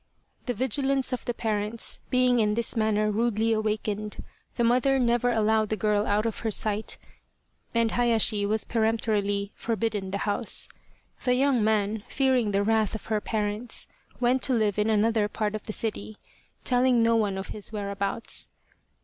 The vigilance of the parents being in this manner rudely awakened, the mother never allowed the girl out of her sight, and Hayashi was peremptorily forbidden the house. The young man, fearing the wrath of her parents, went to live in another part of the city, telling no one of his whereabouts.